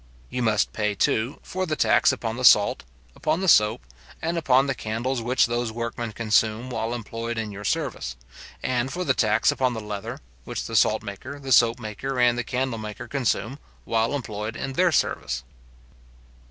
You must pay, too, for the tax upon the salt, upon the soap, and upon the candles which those workmen consume while employed in your service; and for the tax upon the leather, which the saltmaker, the soap maker, and the candle maker consume, while employed in their service.